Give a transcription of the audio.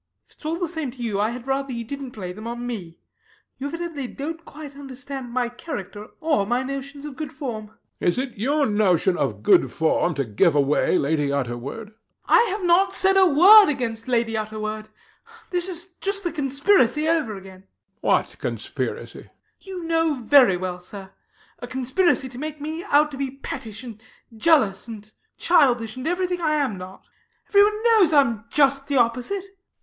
RANDALL. If it's all the same to you I had rather you didn't play them on me. You evidently don't quite understand my character, or my notions of good form. HECTOR. Is it your notion of good form to give away Lady Utterword? RANDALL [a childishly plaintive note breaking into his huff]. I have not said a word against Lady Utterword. This is just the conspiracy over again. HECTOR. What conspiracy? RANDALL. You know very well, sir. A conspiracy to make me out to be pettish and jealous and childish and everything I am not. Everyone knows I am just the opposite.